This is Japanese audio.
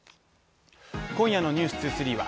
今夜の「ｎｅｗｓ２３」は